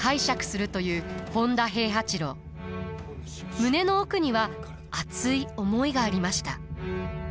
胸の奥には熱い思いがありました。